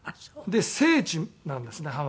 で聖地なんですねハワイの。